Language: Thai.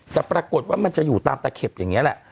แต่ปรากฏว่ามันจะอยู่ตามตะเข็บอย่างนี้แหละ